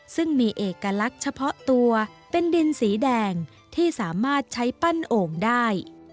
ซึ่งมีเอกลักษณ์เฉพาะตัวเป็นดินสีแดงที่สามารถใช้ปั้นโอ่งได้